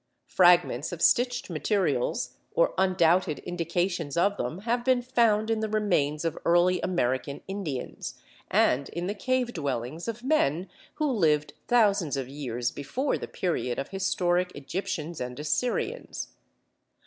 Fragments of stitched materials or undoubted indications of them have been found in the remains of early American Indians, and in the cave dwellings of men who lived thousands of years before the period of historic Egyptians and Assyrians.